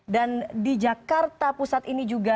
dan di jakarta pusat ini juga